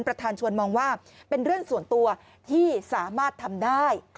ประธานชวนมองว่าเป็นเรื่องส่วนตัวที่สามารถทำได้